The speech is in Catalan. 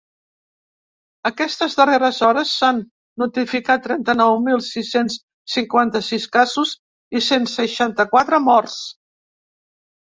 Aquestes darreres hores, s’han notificat trenta-nou mil sis-cents cinquanta-sis casos i cent seixanta-quatre morts.